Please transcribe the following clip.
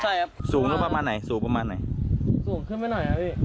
ใช่ครับสูงลงประมาณไหนสูงประมาณไหนสูงขึ้นไปหน่อยครับพี่